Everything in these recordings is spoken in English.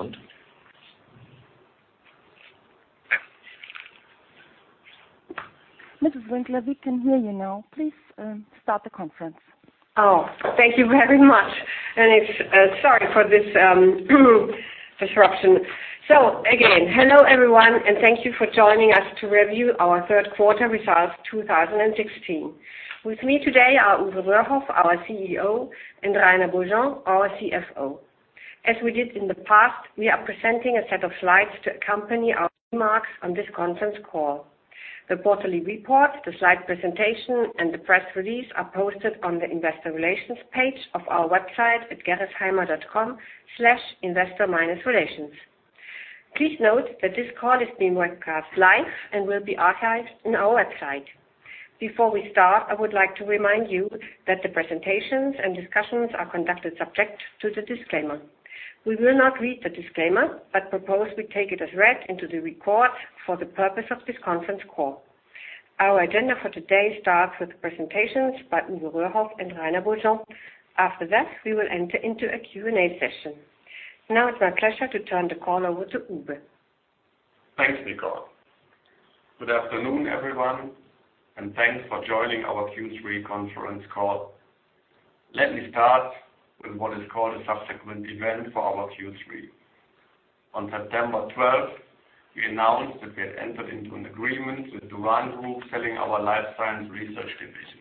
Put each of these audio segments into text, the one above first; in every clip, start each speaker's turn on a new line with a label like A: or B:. A: And?
B: Mrs. Winkler, we can hear you now. Please start the conference.
A: Thank you very much. Sorry for this disruption. Again, hello everyone, and thank you for joining us to review our third quarter results 2016. With me today are Uwe Röhrhoff, our CEO, and Rainer Beaujean, our CFO. As we did in the past, we are presenting a set of slides to accompany our remarks on this conference call. The quarterly report, the slide presentation, and the press release are posted on the investor relations page of our website at gerresheimer.com/investor-relations. Please note that this call is being webcast live and will be archived in our website. Before we start, I would like to remind you that the presentations and discussions are conducted subject to the disclaimer. We will not read the disclaimer, but propose we take it as read into the record for the purpose of this conference call. Our agenda for today starts with the presentations by Uwe Röhrhoff and Rainer Beaujean. After that, we will enter into a Q&A session. Now it is my pleasure to turn the call over to Uwe.
C: Thanks, Nicole. Good afternoon, everyone, and thanks for joining our Q3 conference call. Let me start with what is called a subsequent event for our Q3. On September 12th, we announced that we had entered into an agreement with Duran Group selling our Life Science Research Division.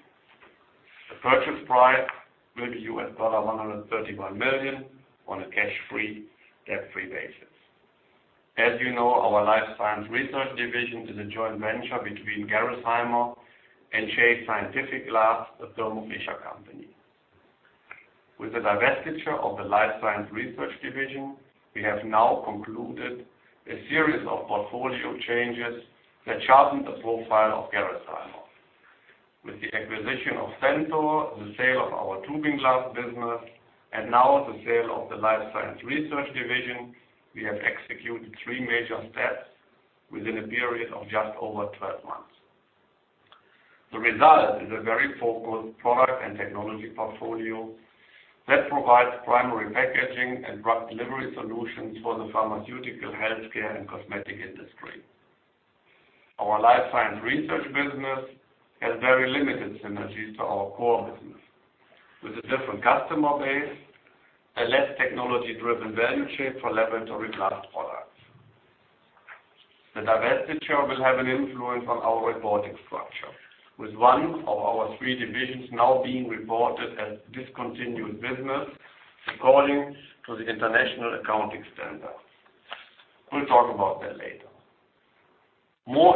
C: The purchase price will be $131 million on a cash-free, debt-free basis. As you know, our Life Science Research Division is a joint venture between Gerresheimer and Chase Scientific Glass, a Thermo Fisher Scientific company. With the divestiture of the Life Science Research Division, we have now concluded a series of portfolio changes that sharpen the profile of Gerresheimer. With the acquisition of Centor, the sale of our tubing glass business, and now the sale of the Life Science Research Division, we have executed three major steps within a period of just over 12 months. The result is a very focused product and technology portfolio that provides primary packaging and drug delivery solutions for the pharmaceutical, healthcare, and cosmetic industry. Our Life Science Research business has very limited synergies to our core business. With a different customer base, a less technology-driven value chain for laboratory glass products. The divestiture will have an influence on our reporting structure, with one of our three divisions now being reported as discontinued business according to the International Accounting Standard. We will talk about that later. We will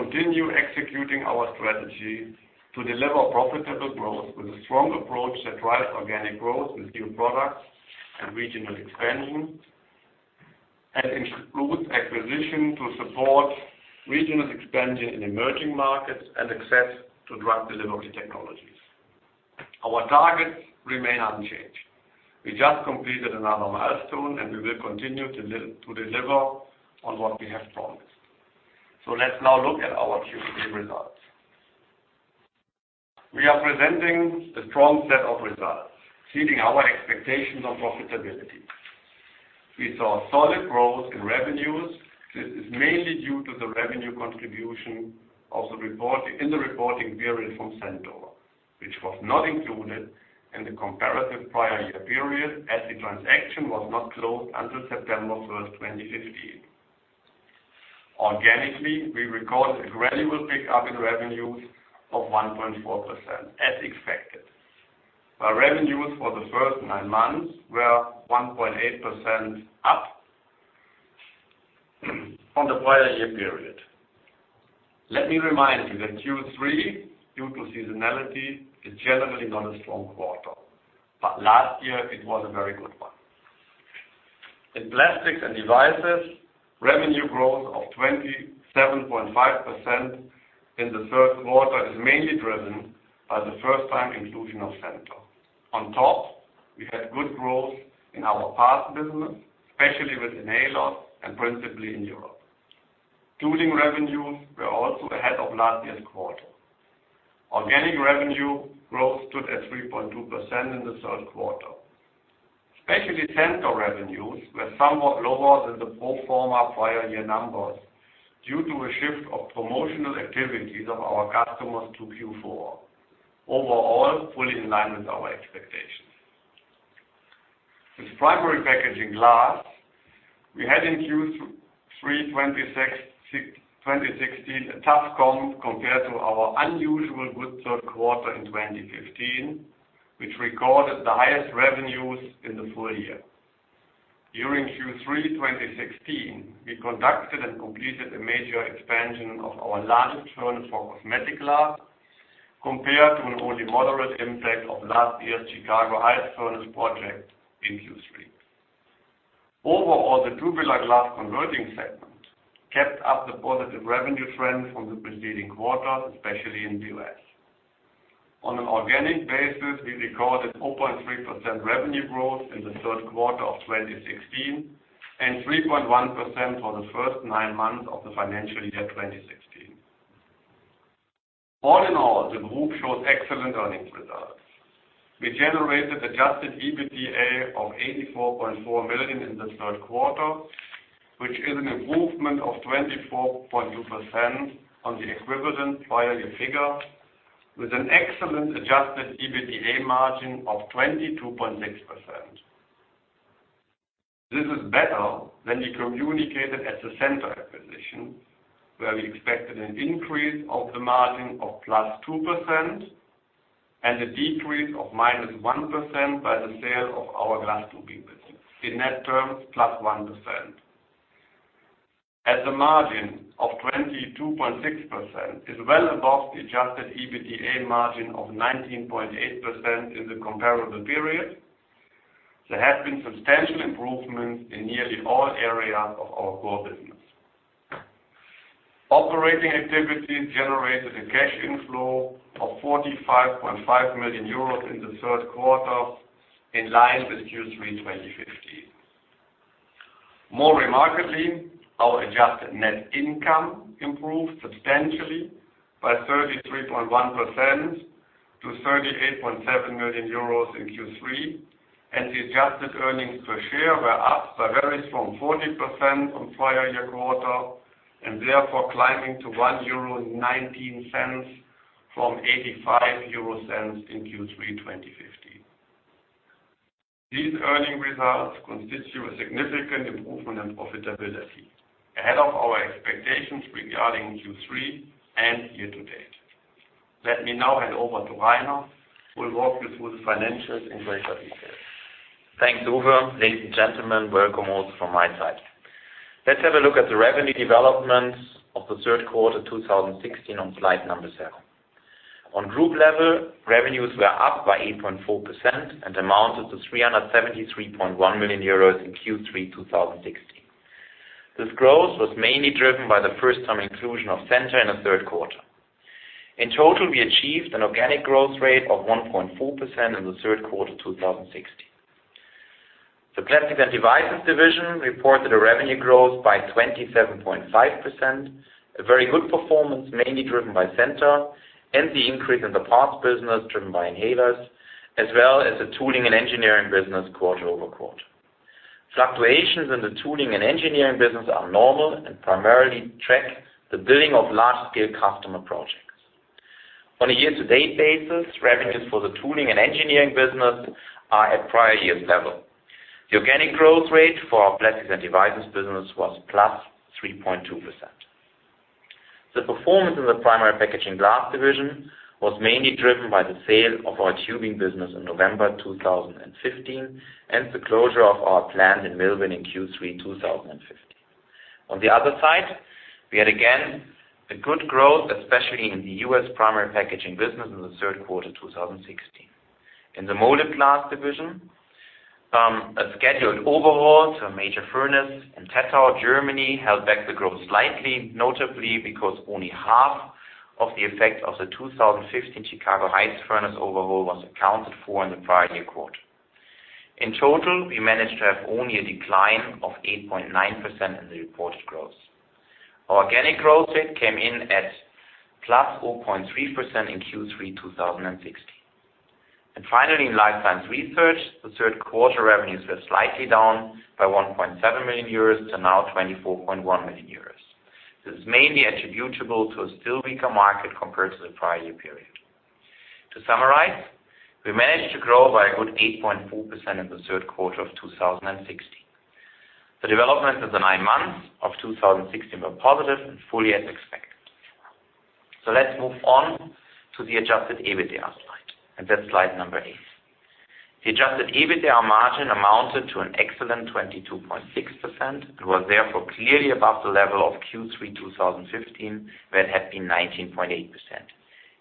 C: continue executing our strategy to deliver profitable growth with a strong approach that drives organic growth with new products and regional expansion, and includes acquisition to support regional expansion in emerging markets and access to drug delivery technologies. Our targets remain unchanged. We just completed another milestone, we will continue to deliver on what we have promised. Let's now look at our Q3 results. We are presenting a strong set of results, exceeding our expectations on profitability. We saw solid growth in revenues. This is mainly due to the revenue contribution in the reporting period from Centor, which was not included in the comparative prior year period as the transaction was not closed until September 1st, 2015. Organically, we recorded a gradual pickup in revenues of 1.4%, as expected. Our revenues for the first nine months were 1.8% up from the prior year period. Let me remind you that Q3, due to seasonality, is generally not a strong quarter, Last year it was a very good one. In Plastics and Devices, revenue growth of 27.5% in the third quarter is mainly driven by the first-time inclusion of Centor. We had good growth in our parts business, especially with inhalers and principally in Europe. Tubing revenues were also ahead of last year's quarter. Organic revenue growth stood at 3.2% in the third quarter. Centor revenues were somewhat lower than the pro forma prior year numbers due to a shift of promotional activities of our customers to Q4. Fully in line with our expectations. With Primary Packaging Glass, we had in Q3 2016 a tough comp compared to our unusual good third quarter in 2015, which recorded the highest revenues in the full year. During Q3 2016, we conducted and completed a major expansion of our largest furnace for cosmetic glass, compared to an only moderate impact of last year's Chicago Heights furnace project in Q3. The tubular glass converting segment kept up the positive revenue trend from the preceding quarters, especially in the U.S. On an organic basis, we recorded 0.3% revenue growth in the third quarter of 2016 3.1% for the first nine months of the financial year 2016. The group showed excellent earnings results. We generated adjusted EBITDA of 84.4 million in the third quarter, which is an improvement of 24.2% on the equivalent prior year figure, with an excellent adjusted EBITDA margin of 22.6%. This is better than we communicated at the Centor acquisition, where we expected an increase of the margin of +2% and a decrease of -1% by the sale of our glass tubing business. In net terms, +1%. A margin of 22.6% is well above the adjusted EBITDA margin of 19.8% in the comparable period, there has been substantial improvement in nearly all areas of our core business. Operating activities generated a cash inflow of 45.5 million euros in the third quarter, in line with Q3 2015. More remarkably, our adjusted net income improved substantially by 33.1% to 38.7 million euros in Q3, and the adjusted earnings per share were up by various from 40% from prior year quarter, therefore climbing to 1.19 euro from 0.85 in Q3 2015. These earning results constitute a significant improvement in profitability, ahead of our expectations regarding Q3 and year-to-date. Let me now hand over to Rainer, who will walk you through the financials in greater detail.
D: Thanks, Uwe. Ladies and gentlemen, welcome also from my side. Let's have a look at the revenue developments of the third quarter 2016 on slide number seven. On group level, revenues were up by 8.4% and amounted to 373.1 million euros in Q3 2016. This growth was mainly driven by the first-time inclusion of Centor in the third quarter. In total, we achieved an organic growth rate of 1.4% in the third quarter 2016. The Plastics and Devices division reported a revenue growth by 27.5%, a very good performance mainly driven by Centor and the increase in the parts business driven by inhalers, as well as the tooling and engineering business quarter-over-quarter. Fluctuations in the tooling and engineering business are normal and primarily track the billing of large-scale customer projects. On a year-to-date basis, revenues for the tooling and engineering business are at prior year's level. The organic growth rate for our Plastics and Devices business was +3.2%. The performance in the Primary Packaging Glass division was mainly driven by the sale of our tubing business in November 2015 and the closure of our plant in Millville in Q3 2015. On the other side, we had again, a good growth, especially in the U.S. Primary Packaging business in the third quarter 2016. In the Molded Glass division, a scheduled overhaul to a major furnace in Tettau, Germany, held back the growth slightly, notably because only half of the effect of the 2015 Chicago Heights furnace overhaul was accounted for in the prior year quarter. In total, we managed to have only a decline of 8.9% in the reported growth. Our organic growth rate came in at +0.3% in Q3 2016. Finally, in Life Science Research, the third quarter revenues were slightly down by 1.7 million euros to now 24.1 million euros. This is mainly attributable to a still weaker market compared to the prior year period. To summarize, we managed to grow by a good 8.4% in the third quarter of 2016. The developments of the nine months of 2016 were positive and fully as expected. Let's move on to the adjusted EBITDA slide, that's slide number eight. The adjusted EBITDA margin amounted to an excellent 22.6%. It was therefore clearly above the level of Q3 2015, where it had been 19.8%.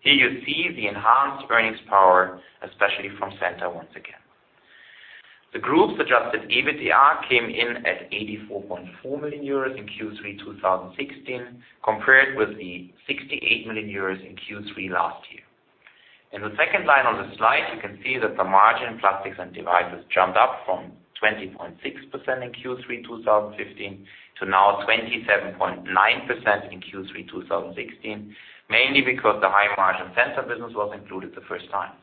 D: Here you see the enhanced earnings power, especially from Centor, once again. The group's adjusted EBITDA came in at 84.4 million euros in Q3 2016, compared with the 68 million euros in Q3 last year. In the second line on the slide, you can see that the margin in Plastics and Devices jumped up from 20.6% in Q3 2015 to now 27.9% in Q3 2016, mainly because the high-margin Centor business was included the first time.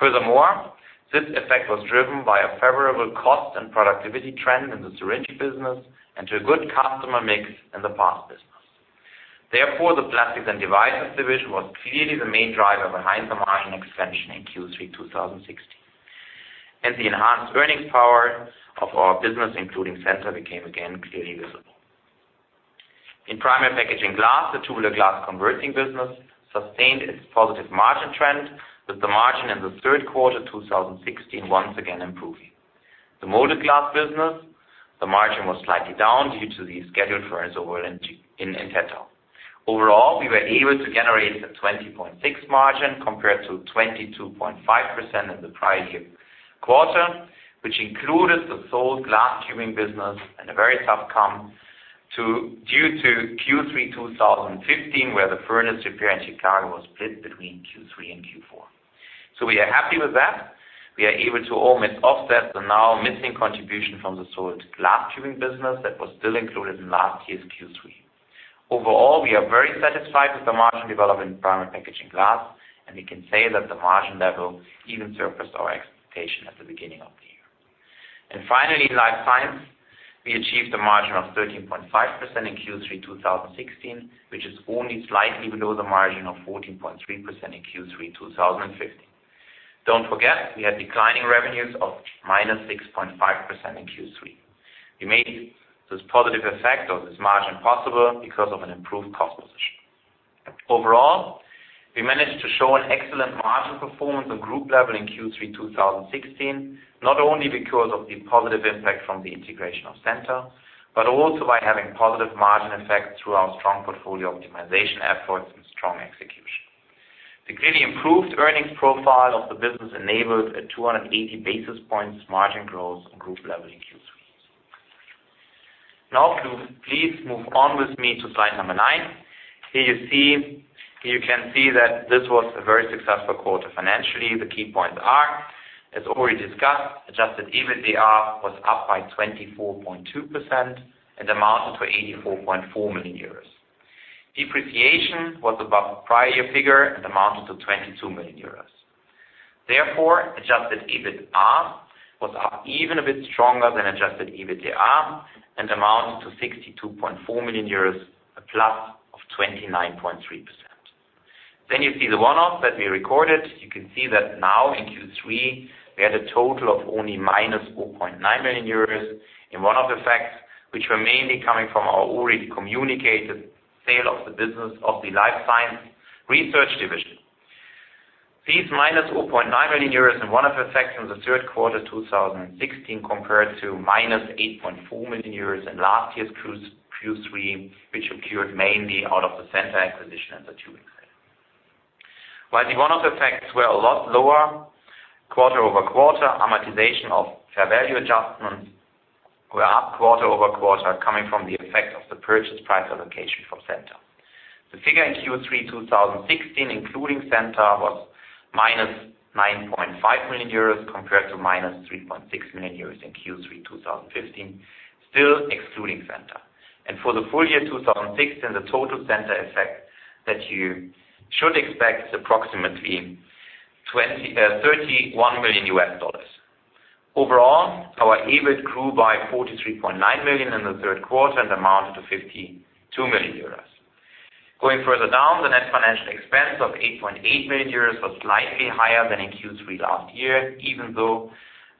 D: Furthermore, this effect was driven by a favorable cost and productivity trend in the syringe business and to a good customer mix in the parts business. Therefore, the Plastics and Devices division was clearly the main driver behind the margin expansion in Q3 2016. The enhanced earnings power of our business, including Centor, became again clearly visible. In Primary Packaging Glass, the tubular glass converting business sustained its positive margin trend, with the margin in the third quarter 2016 once again improving. The Molded Glass business, the margin was slightly down due to the scheduled furnace overhaul in Tettau. Overall, we were able to generate a 20.6% margin compared to 22.5% in the prior year quarter, which included the sold glass tubing business and a very tough comp due to Q3 2015, where the furnace repair in Chicago was split between Q3 and Q4. We are happy with that. We are able to almost offset the now missing contribution from the sold glass tubing business that was still included in last year's Q3. Overall, we are very satisfied with the margin development in Primary Packaging Glass, and we can say that the margin level even surpassed our expectation at the beginning of the year. Finally, Life Science, we achieved a margin of 13.5% in Q3 2016, which is only slightly below the margin of 14.3% in Q3 2015. Don't forget, we had declining revenues of minus 6.5% in Q3. We made this positive effect of this margin possible because of an improved cost position. Overall, we managed to show an excellent margin performance on group level in Q3 2016, not only because of the positive impact from the integration of Centor, but also by having positive margin effects through our strong portfolio optimization efforts and strong execution. The clearly improved earnings profile of the business enabled a 280 basis points margin growth on group level in Q3. Please move on with me to slide number nine. Here you can see that this was a very successful quarter financially. The key points are, as already discussed, adjusted EBITDA was up by 24.2% and amounted to €84.4 million. Depreciation was above the prior year figure and amounted to €22 million. Adjusted EBITA was up even a bit stronger than adjusted EBITDA and amounted to €62.4 million, a plus of 29.3%. You see the one-offs that we recorded. You can see that now in Q3, we had a total of only minus €4.9 million in one-off effects, which were mainly coming from our already communicated sale of the business of the Life Science Research Division. These minus €4.9 million in one-off effects in the third quarter 2016 compared to minus €8.4 million in last year's Q3, which occurred mainly out of the Centor acquisition and the tubing sale. While the one-off effects were a lot lower quarter-over-quarter, amortization of fair value adjustments were up quarter-over-quarter, coming from the effects of the purchase price allocation from Centor. The figure in Q3 2016, including Centor, was minus 9.5 million euros compared to minus 3.6 million euros in Q3 2015, still excluding Centor. For the full year 2016, the total Centor effect that you should expect is approximately $31 million. Overall, our EBIT grew by 43.9 million in the third quarter and amounted to 52 million euros. Going further down, the net financial expense of 8.8 million euros was slightly higher than in Q3 last year, even though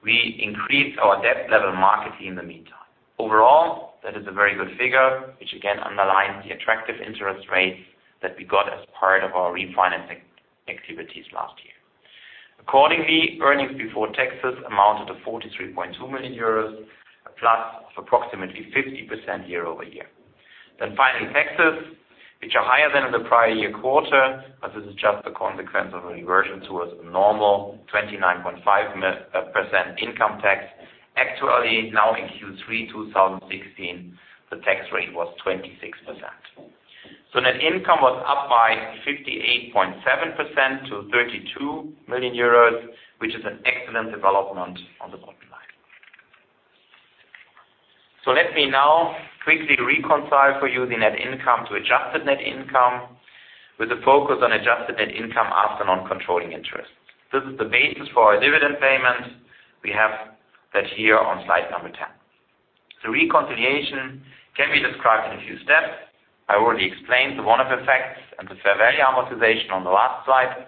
D: we increased our debt level markedly in the meantime. Overall, that is a very good figure, which again underlines the attractive interest rates that we got as part of our refinancing activities last year. Accordingly, earnings before taxes amounted to 43.2 million euros, a plus of approximately 50% year-over-year. Finally, taxes, which are higher than in the prior year quarter, but this is just a consequence of a reversion towards the normal 29.5% income tax. Actually, now in Q3 2016, the tax rate was 26%. Net income was up by 58.7% to 32 million euros, which is an excellent development on the bottom line. Let me now quickly reconcile for you the net income to adjusted net income with a focus on adjusted net income after non-controlling interest. This is the basis for our dividend payment. We have that here on slide 10. Reconciliation can be described in a few steps. I already explained the one-off effects and the fair value amortization on the last slide.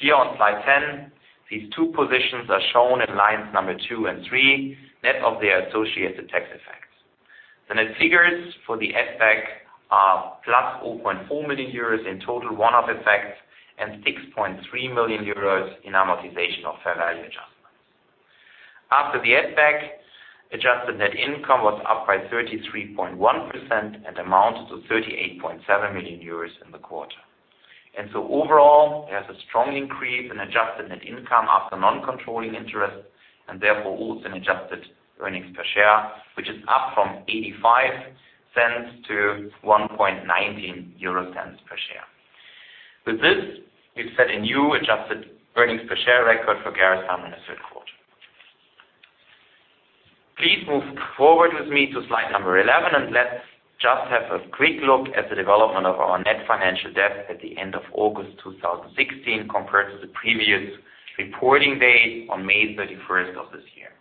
D: Here on slide 10, these two positions are shown in lines number 2 and 3, net of their associated tax effects. The net figures for the EBIT are plus 4.4 million euros in total one-off effects and 6.3 million euros in amortization of fair value adjustments. After the EBIT, adjusted net income was up by 33.1% and amounted to 38.7 million euros in the quarter. Overall, we have a strong increase in adjusted net income after non-controlling interest and, therefore, also an adjusted earnings per share, which is up from 0.85 to 1.19 euro per share. With this, we've set a new adjusted earnings per share record for Gerresheimer in the third quarter. Please move forward with me to slide 11, and let's just have a quick look at the development of our net financial debt at the end of August 2016 compared to the previous reporting date on May 31st of this year.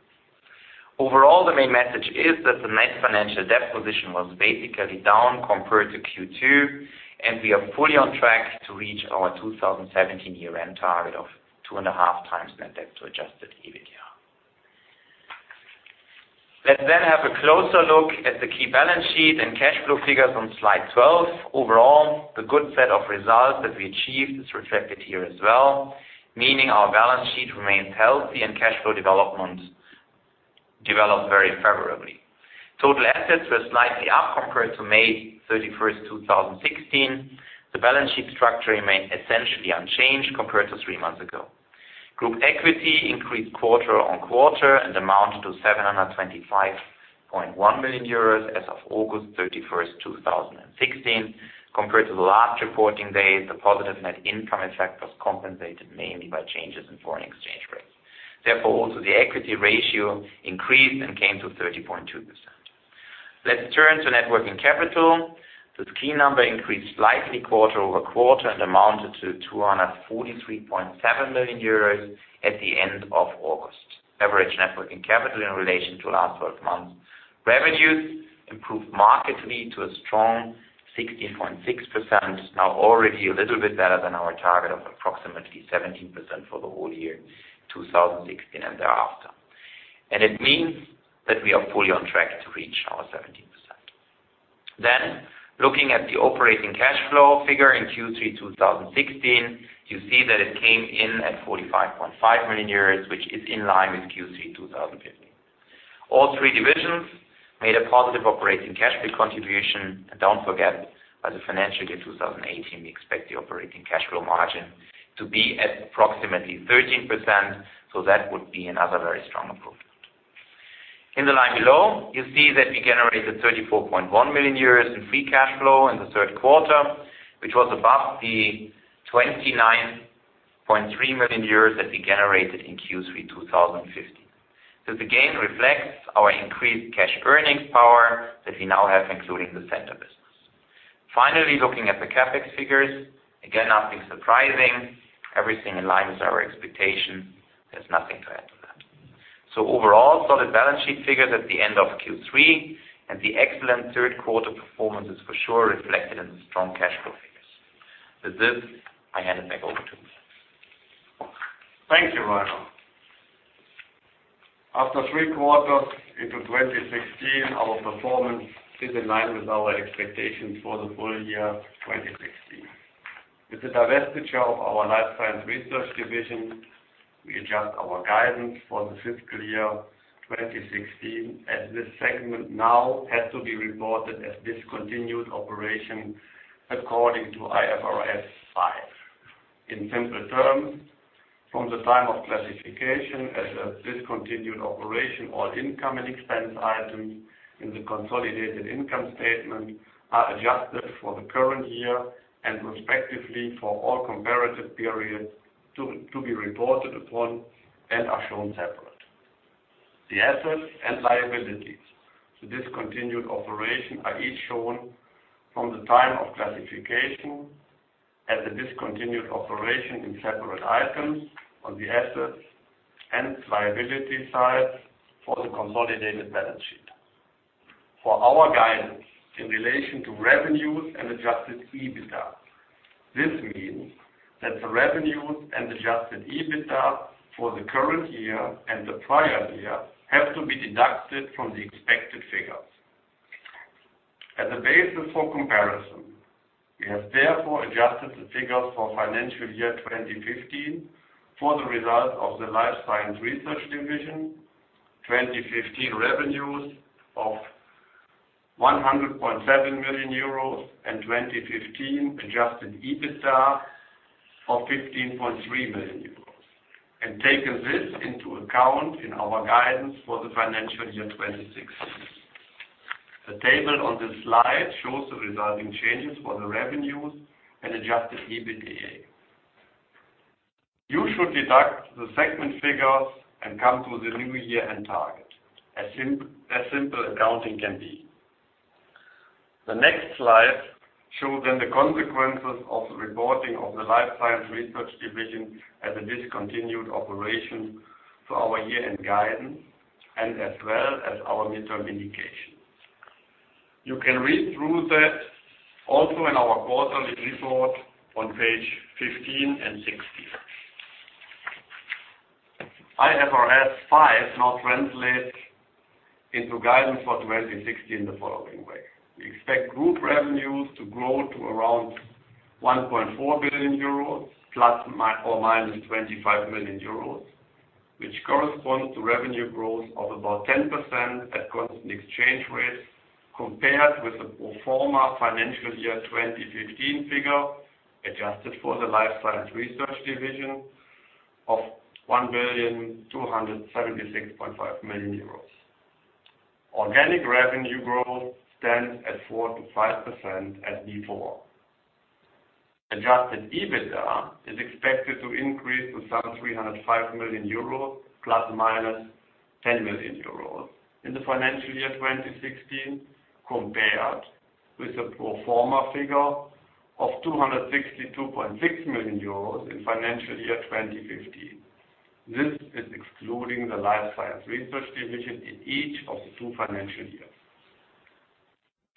D: Overall, the main message is that the net financial debt position was basically down compared to Q2, and we are fully on track to reach our 2017 year-end target of 2.5 times net debt to adjusted EBITDA. Let's have a closer look at the key balance sheet and cash flow figures on slide 12. Overall, the good set of results that we achieved is reflected here as well, meaning our balance sheet remains healthy and cash flow developed very favorably. Total assets were slightly up compared to May 31st, 2016. The balance sheet structure remained essentially unchanged compared to three months ago. Group equity increased quarter-on-quarter and amounted to 725.1 million euros as of August 31st, 2016. Compared to the last reporting date, the positive net income effect was compensated mainly by changes in foreign exchange rates. Also the equity ratio increased and came to 30.2%. Let's turn to net working capital. The key number increased slightly quarter-over-quarter and amounted to 243.7 million euros at the end of August. Average net working capital in relation to last 12-months revenues improved markedly to a strong 16.6%, now already a little bit better than our target of approximately 17% for the whole year 2016 and thereafter. It means that we are fully on track to reach our 17%. Looking at the operating cash flow figure in Q3 2016, you see that it came in at 45.5 million euros, which is in line with Q3 2015. All three divisions made a positive operating cash flow contribution. Don't forget, by the financial year 2018, we expect the operating cash flow margin to be at approximately 13%. That would be another very strong improvement. In the line below, you see that we generated 34.1 million euros in free cash flow in the 3rd quarter, which was above the 29.3 million euros that we generated in Q3 2015. Again, reflects our increased cash earnings power that we now have, including the Centor business. Finally, looking at the CapEx figures, again, nothing surprising, everything in line with our expectation. There's nothing to add to that. Overall, solid balance sheet figures at the end of Q3. The excellent 3rd quarter performance is for sure reflected in the strong cash flow figures. With this, I hand it back over to Uwe.
C: Thank you, Rainer. After three quarters into 2016, our performance is in line with our expectations for the full year 2016. With the divestiture of our Life Science Research Division, we adjust our guidance for the fiscal year 2016, as this segment now has to be reported as discontinued operation according to IFRS 5. In simple terms, from the time of classification as a discontinued operation, all income and expense items in the consolidated income statement are adjusted for the current year and respectively for all comparative periods to be reported upon. Are shown separate. The assets and liabilities to discontinued operation are each shown from the time of classification as a discontinued operation in separate items on the assets and liability side for the consolidated balance sheet. For our guidance in relation to revenues and adjusted EBITDA, this means that the revenues and adjusted EBITDA for the current year and the prior year have to be deducted from the expected figures. As a basis for comparison, we have therefore adjusted the figures for financial year 2015 for the result of the Life Science Research Division, 2015 revenues of 100.7 million euros and 2015 adjusted EBITDA of 15.3 million euros. Taken this into account in our guidance for the financial year 2016. The table on this slide shows the resulting changes for the revenues and adjusted EBITDA. You should deduct the segment figures. Come to the new year-end target, as simple accounting can be. The next slide show the consequences of reporting of the Life Science Research Division as a discontinued operation for our year-end guidance. As well as our midterm indication. You can read through that also in our quarterly report on page 15 and 16. IFRS 5 now translates into guidance for 2016 in the following way. We expect group revenues to grow to around 1.4 billion euros, ±25 million euros, which corresponds to revenue growth of about 10% at constant exchange rates compared with the pro forma FY 2015 figure, adjusted for the Life Science Research division of 1,276.5 million euros. Organic revenue growth stands at 4%-5% as before. Adjusted EBITDA is expected to increase to some 305 million euros, ±10 million euros in the FY 2016 compared with the pro forma figure of 262.6 million euros in FY 2015. This is excluding the Life Science Research division in each of the two financial years.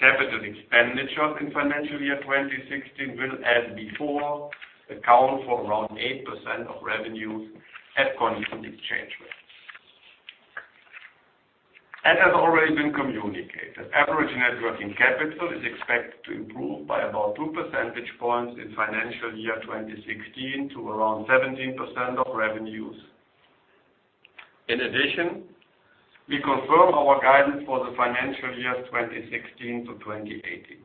C: CapEx in FY 2016 will, as before, account for around 8% of revenues at constant exchange rates. As has already been communicated, average net working capital is expected to improve by about two percentage points in FY 2016 to around 17% of revenues. In addition, we confirm our guidance for the FY 2016 to FY 2018.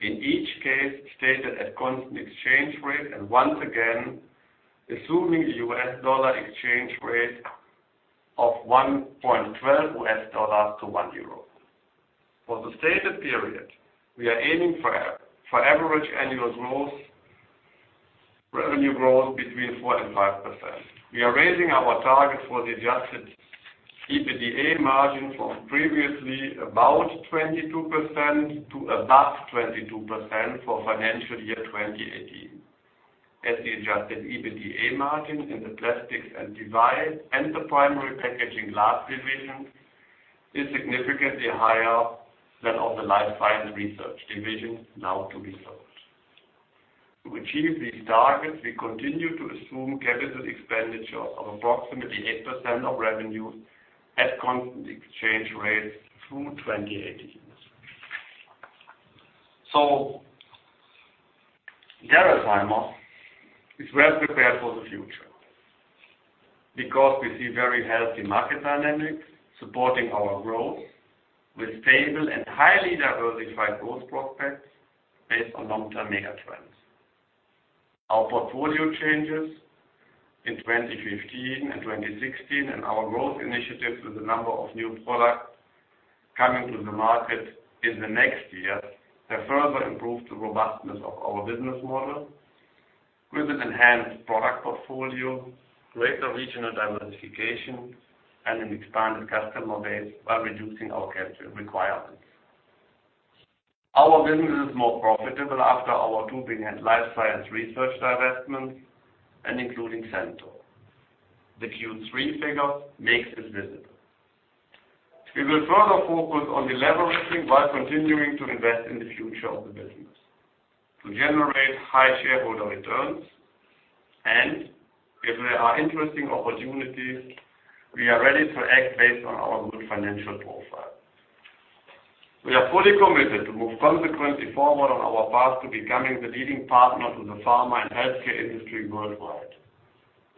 C: In each case, stated at constant exchange rate, and once again, assuming U.S. dollar exchange rate of $1.12 to 1 euro. For the stated period, we are aiming for average annual revenue growth between 4% and 5%. We are raising our target for the adjusted EBITDA margin from previously about 22% to above 22% for FY 2018. The adjusted EBITDA margin in the Plastics and Devices and the Primary Packaging Glass division is significantly higher than of the Life Science Research division now to be sold. To achieve these targets, we continue to assume CapEx of approximately 8% of revenue at constant exchange rates through 2018. Gerresheimer is well prepared for the future because we see very healthy market dynamics supporting our growth with stable and highly diversified growth prospects based on long-term megatrends. Our portfolio changes in 2015 and 2016, and our growth initiatives with a number of new products coming to the market in the next year, have further improved the robustness of our business model with an enhanced product portfolio, greater regional diversification, and an expanded customer base while reducing our capital requirements. Our business is more profitable after our tubing and Life Science Research divestment and including Centor. The Q3 figure makes it visible. We will further focus on de-leveraging while continuing to invest in the future of the business to generate high shareholder returns, and if there are interesting opportunities, we are ready to act based on our good financial profile. We are fully committed to move consequently forward on our path to becoming the leading partner to the pharma and healthcare industry worldwide.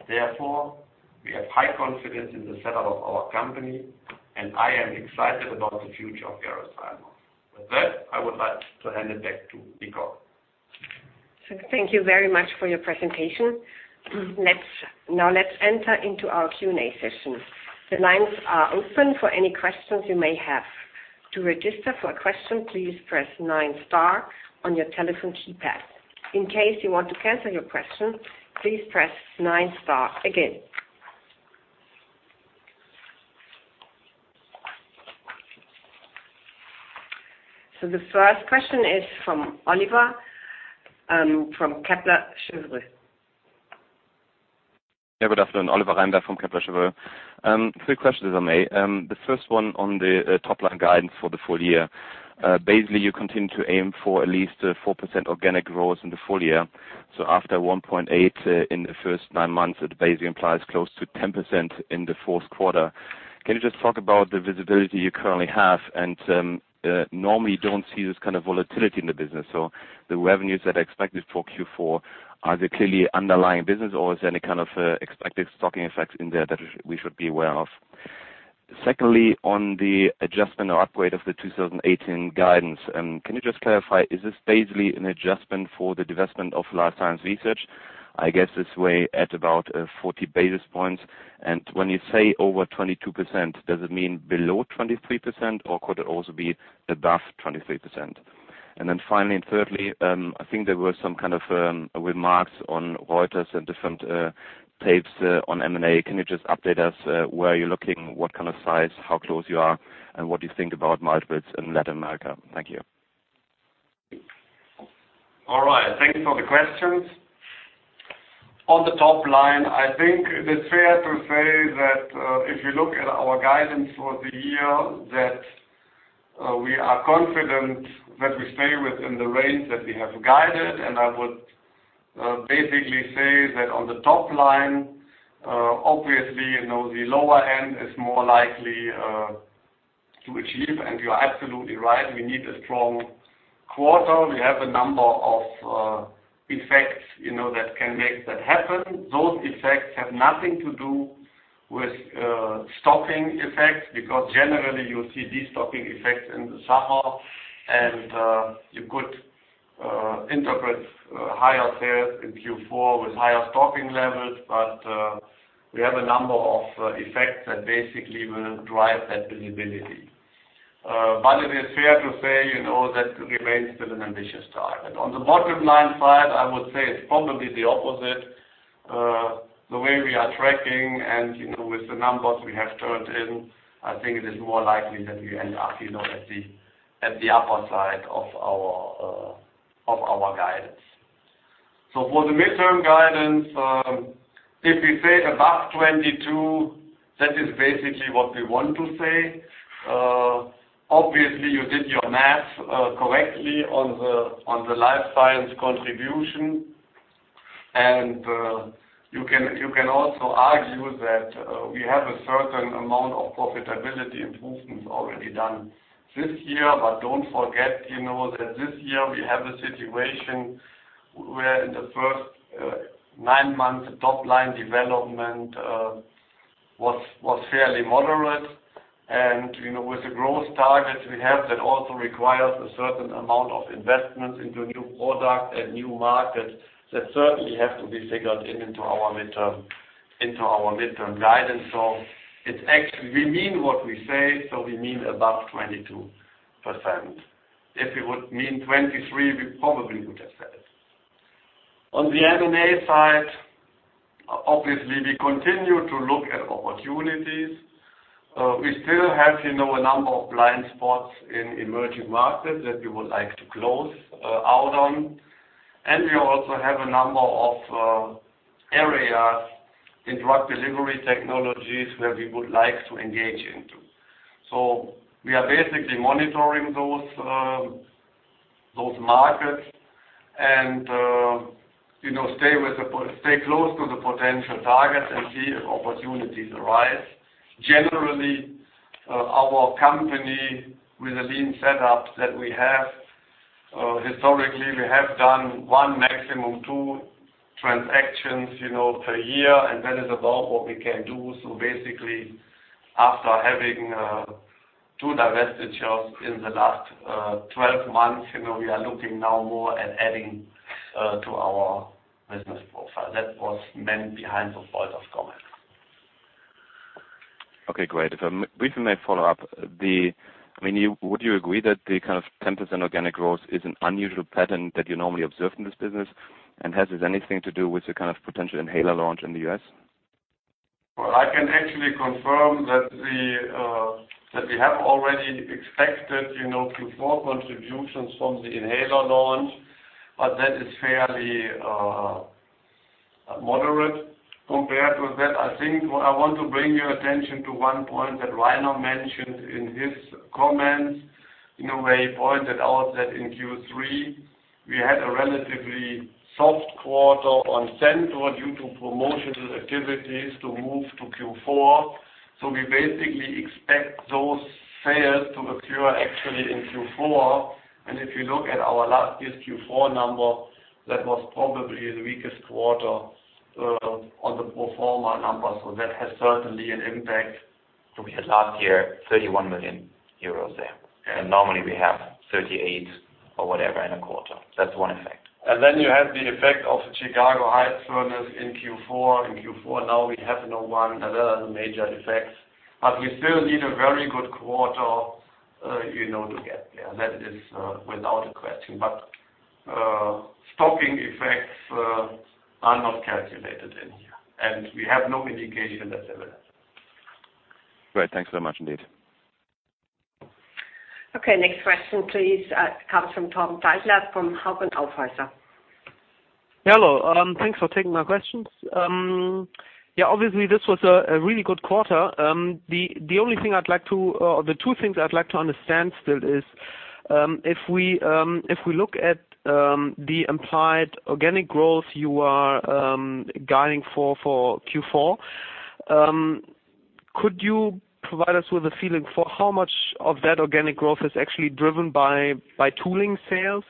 C: Therefore, we have high confidence in the setup of our company, and I am excited about the future of Gerresheimer. With that, I would like to hand it back to Nicole.
A: Thank you very much for your presentation. Let's enter into our Q&A session. The lines are open for any questions you may have. To register for a question, please press 9 star on your telephone keypad. In case you want to cancel your question, please press 9 star again. The first question is from Oliver, from Kepler Cheuvreux.
E: Good afternoon. Oliver Reinberg from Kepler Cheuvreux. Three questions, if I may. The first one on the top-line guidance for the full year. You continue to aim for at least a 4% organic growth in the full year. After 1.8% in the first nine months, it basically implies close to 10% in the fourth quarter. Can you just talk about the visibility you currently have? Normally you don't see this kind of volatility in the business. The revenues that are expected for Q4, are they clearly underlying business, or is there any kind of expected stocking effects in there that we should be aware of? Secondly, on the adjustment or upgrade of the 2018 guidance, can you just clarify, is this basically an adjustment for the divestment of Life Science Research? I guess it's way at about 40 basis points. When you say over 22%, does it mean below 23% or could it also be above 23%? Thirdly, I think there were some kind of remarks on Reuters and different tapes on M&A. Can you just update us, where you're looking, what kind of size, how close you are, and what you think about multiples in Latin America? Thank you.
C: All right. Thank you for the questions. On the top line, I think it is fair to say that, if you look at our guidance for the year, that we are confident that we stay within the range that we have guided. I would basically say that on the top line, obviously, the lower end is more likely to achieve. You're absolutely right, we need a strong quarter. We have a number of effects that can make that happen. Those effects have nothing to do with stocking effects because generally, you see de-stocking effects in the summer, and you could interpret higher sales in Q4 with higher stocking levels. We have a number of effects that basically will drive that visibility. It is fair to say that remains still an ambitious target. On the bottom-line side, I would say it's probably the opposite. The way we are tracking and with the numbers we have turned in, I think it is more likely that we end up at the upper side of our guidance. For the midterm guidance, if we say above 22%, that is basically what we want to say. Obviously, you did your math correctly on the Life Science contribution. You can also argue that we have a certain amount of profitability improvements already done this year. Don't forget that this year we have a situation where in the first nine months, the top-line development was fairly moderate. With the growth target we have, that also requires a certain amount of investments into new product and new markets that certainly have to be figured into our midterm guidance. We mean what we say, so we mean above 22%. If we would mean 23%, we probably would have said it. On the M&A side, obviously, we continue to look at opportunities. We still have a number of blind spots in emerging markets that we would like to close out on. We also have a number of areas in drug delivery technologies where we would like to engage into. We are basically monitoring those markets and stay close to the potential targets and see if opportunities arise. Generally, our company with a lean setup that we have, historically, we have done one, maximum two transactions per year, and that is about what we can do. Basically, after having two divestitures in the last 12 months, we are looking now more at adding to our business profile. That was meant behind those points of comments.
E: Okay, great. If I briefly may follow up. Would you agree that the kind of 10% organic growth is an unusual pattern that you normally observe in this business? Has this anything to do with the potential inhaler launch in the U.S.?
C: Well, I can actually confirm that we have already expected Q4 contributions from the inhaler launch, but that is fairly moderate compared to that. I think what I want to bring your attention to one point that Rainer mentioned in his comments, where he pointed out that in Q3, we had a relatively soft quarter on Centor due to promotional activities to move to Q4. We basically expect those sales to occur actually in Q4. If you look at our last Q4 number, that was probably the weakest quarter on the pro forma numbers. That has certainly an impact.
E: We had last year 31 million euros there, and normally we have 38 or whatever in a quarter. That's one effect.
C: You have the effect of the Chicago Heights furnace in Q4. In Q4 now we have no one other than major effects. We still need a very good quarter to get there. That is without a question. Stocking effects are not calculated in here, and we have no indication that they will.
E: Great. Thanks so much indeed.
A: Next question please. Comes from Torben Zeidler from Hauck & Aufhäuser.
F: Hello. Thanks for taking my questions. Obviously, this was a really good quarter. The two things I'd like to understand still is, if we look at the implied organic growth you are guiding for Q4, could you provide us with a feeling for how much of that organic growth is actually driven by tooling sales?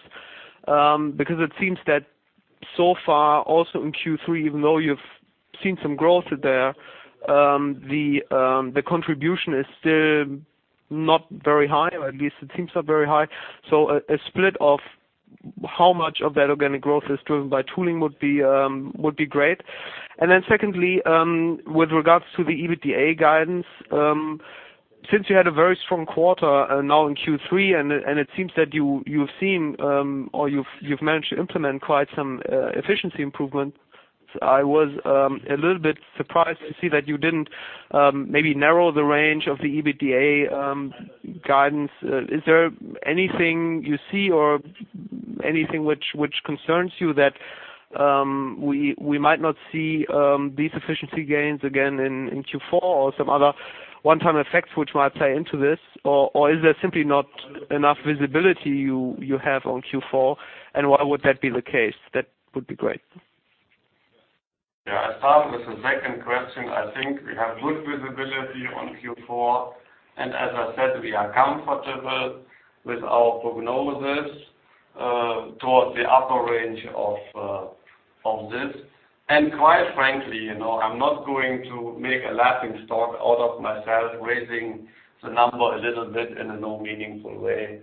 F: Because it seems that so far, also in Q3, even though you've seen some growth there, the contribution is still not very high, or at least it seems not very high. A split of how much of that organic growth is driven by tooling would be great. Secondly, with regards to the EBITDA guidance, since you had a very strong quarter now in Q3, and it seems that you've seen or you've managed to implement quite some efficiency improvement, I was a little bit surprised to see that you didn't maybe narrow the range of the EBITDA guidance. Is there anything you see or anything which concerns you that we might not see these efficiency gains again in Q4 or some other one-time effects which might play into this? Is there simply not enough visibility you have on Q4? Why would that be the case? That would be great.
C: Yeah. I'll start with the second question. I think we have good visibility on Q4, and as I said, we are comfortable with our prognosis towards the upper range of this. Quite frankly, I'm not going to make a laughing stock out of myself, raising the number a little bit in a no meaningful way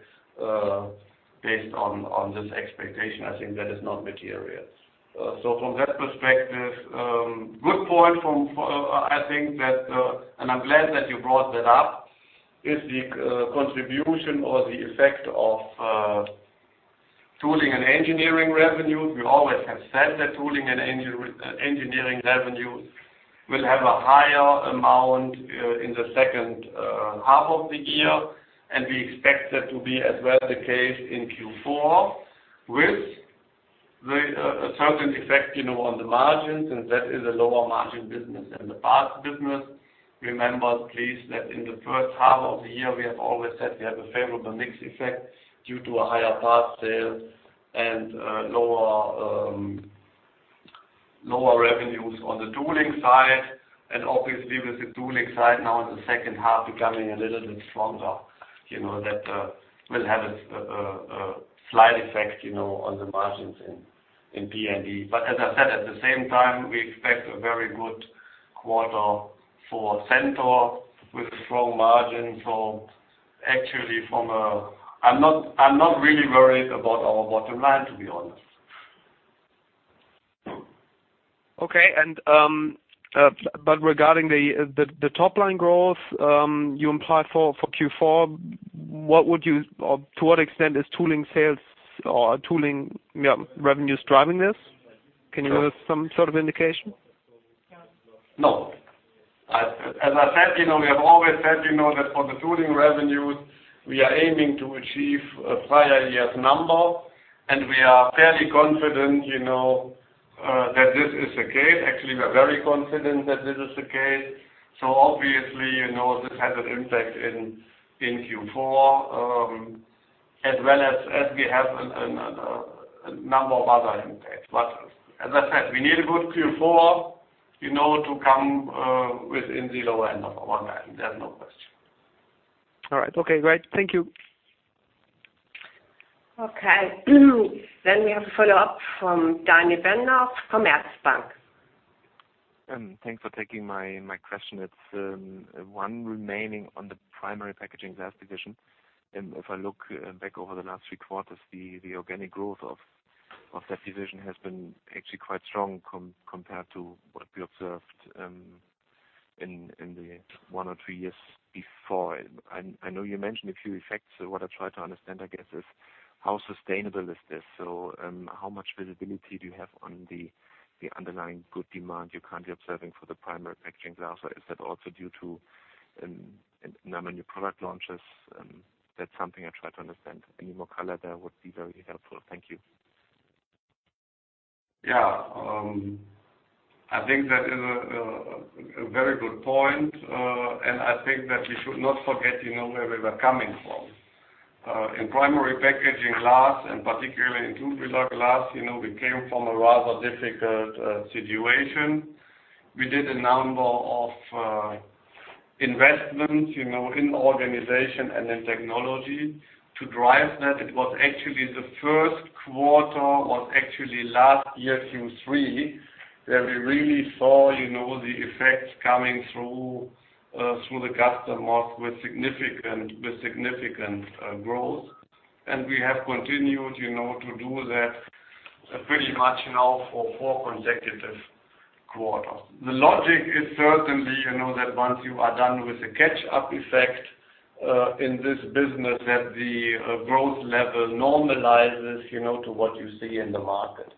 C: based on this expectation. I think that is not material. From that perspective, good point, and I'm glad that you brought that up, is the contribution or the effect of tooling and engineering revenue. We always have said that tooling and engineering revenue will have a higher amount in the second half of the year, and we expect that to be as well the case in Q4 with a certain effect on the margins, and that is a lower margin business than the parts business. Remember, please, that in the first half of the year, we have always said we have a favorable mix effect due to a higher parts sale and lower revenues on the tooling side. Obviously, with the tooling side now in the second half becoming a little bit stronger, that will have a slight effect on the margins in P&D. As I said, at the same time, we expect a very good quarter for Centor with strong margin. I'm not really worried about our bottom line, to be honest.
F: Okay. Regarding the top-line growth you implied for Q4, to what extent is tooling sales or tooling revenues driving this? Can you give some sort of indication?
C: No. As I said, we have always said that for the tooling revenues, we are aiming to achieve a prior year's number, we are fairly confident that this is the case. Actually, we're very confident that this is the case. Obviously, this has an impact in Q4, as well as we have a number of other impacts. As I said, we need a good Q4 to come within the lower end of our guidance. There's no question.
F: All right. Okay, great. Thank you.
A: Okay. We have a follow-up from Daniel Bernauf from Landesbank.
G: Thanks for taking my question. It's one remaining on the Primary Packaging Glass division. If I look back over the last 3 quarters, the organic growth of that division has been actually quite strong compared to what we observed in the one or two years before. I know you mentioned a few effects. What I try to understand, I guess, is how sustainable is this? How much visibility do you have on the underlying good demand you're currently observing for the Primary Packaging Glass, or is that also due to number of new product launches? That's something I try to understand. Any more color there would be very helpful. Thank you.
C: Yeah. I think that is a very good point. I think that we should not forget where we were coming from. In Primary Packaging Glass, and particularly in tubular glass, we came from a rather difficult situation. We did a number of investments in organization and in technology to drive that. It was actually the first quarter, was actually last year, Q3, where we really saw the effects coming through the customer with significant growth. We have continued to do that pretty much now for 4 consecutive quarters. The logic is certainly that once you are done with the catch-up effect in this business, that the growth level normalizes to what you see in the market.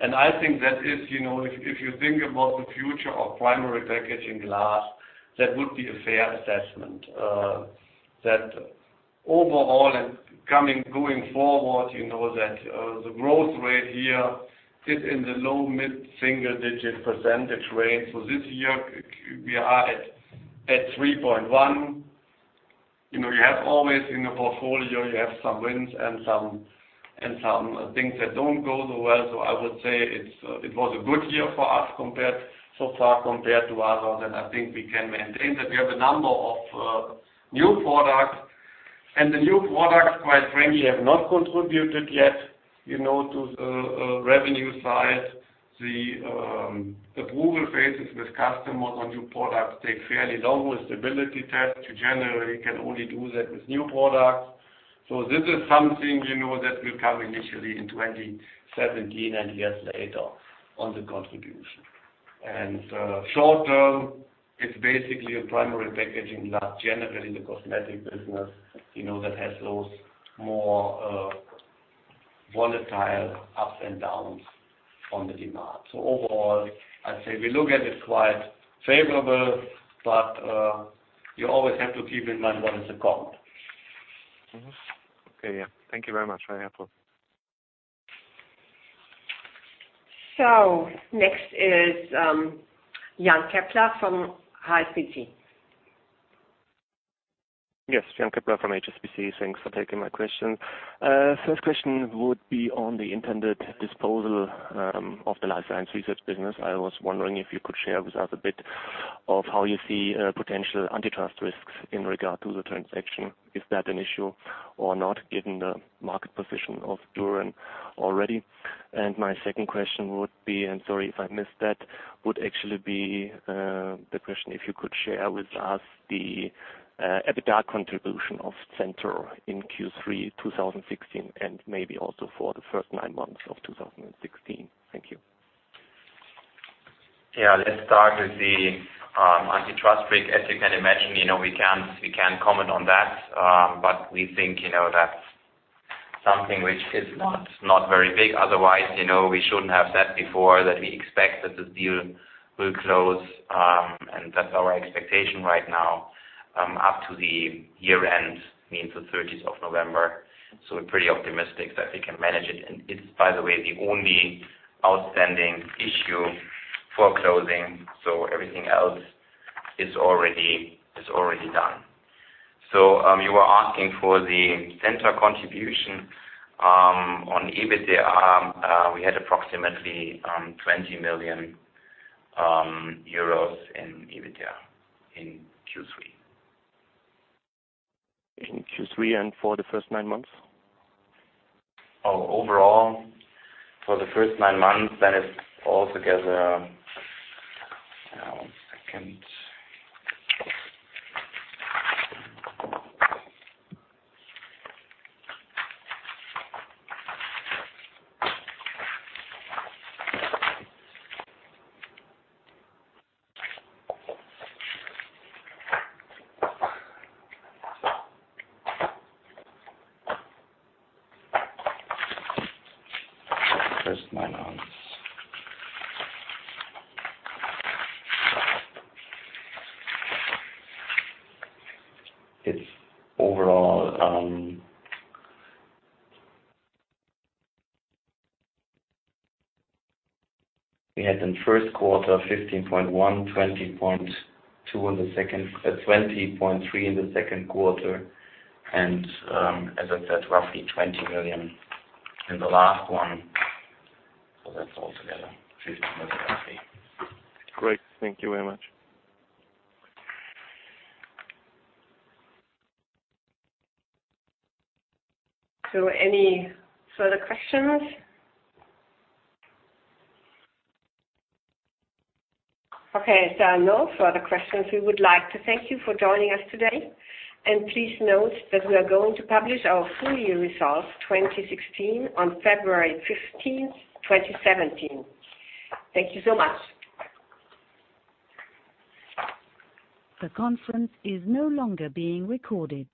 C: I think that if you think about the future of Primary Packaging Glass, that would be a fair assessment. That overall and going forward, that the growth rate here is in the low mid-single-digit percentage range. This year, we are at 3.1. In a portfolio, you have some wins and some things that don't go so well. I would say it was a good year for us so far compared to others, and I think we can maintain that. We have a number of new products, the new products, quite frankly, have not contributed yet to the revenue side. The approval phases with customers on new products take fairly long with stability test. You generally can only do that with new products. This is something that will come initially in 2017 and years later on the contribution. Short-term, it's basically a primary packaging that generally the cosmetic business that has those more volatile ups and downs on the demand. Overall, I'd say we look at it quite favorable, but you always have to keep in mind what is the comp.
G: Okay, yeah. Thank you very much. Very helpful.
A: Next is Jan Keppler from HSBC.
H: Yes. Jan Keppler from HSBC. Thanks for taking my question. First question would be on the intended disposal of the Life Science Research Business. I was wondering if you could share with us a bit of how you see potential antitrust risks in regard to the transaction. Is that an issue or not, given the market position of Duran already? My second question would be, and sorry if I missed that, would actually be the question if you could share with us the EBITDA contribution of Centor in Q3 2016, and maybe also for the first nine months of 2016. Thank you.
D: Yeah. Let's start with the antitrust risk. As you can imagine, we can't comment on that. We think that's something which is not very big. Otherwise, we shouldn't have said before that we expect that this deal will close, and that's our expectation right now, up to the year-end, means the 30th of November. We're pretty optimistic that we can manage it. It's, by the way, the only outstanding issue for closing. Everything else is already done. You were asking for the Centor contribution. On EBITDA, we had approximately 20 million euros in EBITDA in Q3.
H: In Q3 and for the first nine months?
D: Overall, for the first nine months, it's all together. One second. First nine months. We had in the first quarter, 15.1, 20.3 in the second quarter, and as I said, roughly 20 million in the last one. That's altogether EUR 50 million roughly.
H: Great. Thank you very much.
A: Any further questions? Okay, there are no further questions. We would like to thank you for joining us today, and please note that we are going to publish our full year results 2016 on February 15th, 2017. Thank you so much.
B: The conference is no longer being recorded.